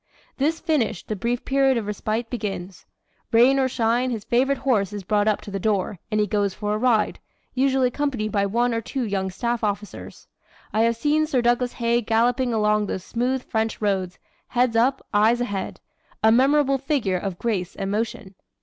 "This finished, the brief period of respite begins. Rain or shine, his favorite horse is brought up to the door, and he goes for a ride, usually accompanied by one or two young staff officers. I have seen Sir Douglas Haig galloping along those smooth French roads, head up, eyes ahead a memorable figure of grace and motion.